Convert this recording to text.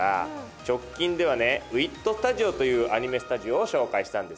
直近ではね「ＷＩＴＳＴＵＤＩＯ」というアニメスタジオを紹介したんですね。